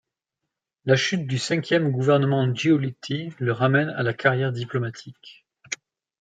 La chute du cinquième gouvernement Giolitti le ramène à la carrière diplomatique.